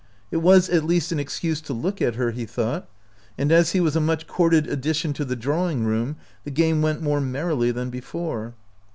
It was at least an excuse to look at her, he thought ; and as he was a much courted addition to the drawing room, the game went more merrily than before.